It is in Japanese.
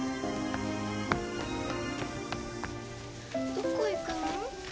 どこ行くの？